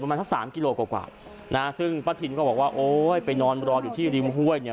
มาสักสามกิโลกว่านะฮะซึ่งป้าทินก็บอกว่าโอ้ยไปนอนรออยู่ที่ริมห้วยเนี่ย